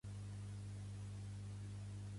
Els exalumnes es coneixen com a "Cornellians".